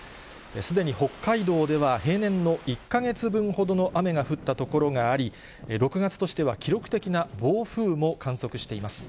すでに北海道では平年の１か月分ほどの雨が降った所があり、６月としては記録的な暴風も観測しています。